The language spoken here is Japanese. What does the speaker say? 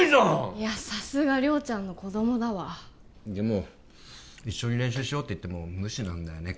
いやさすが亮ちゃんの子どもだわでも一緒に練習しようって言っても無視なんだよね